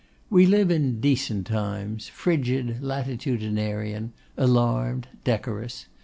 We live in decent times; frigid, latitudinarian, alarmed, decorous.